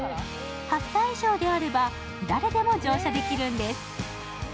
８歳以上であれば、誰でも乗車できるんです。